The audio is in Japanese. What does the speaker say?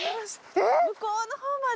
向こうの方まで。